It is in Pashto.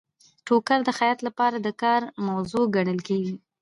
ټوکر د خیاط لپاره د کار موضوع ګڼل کیږي.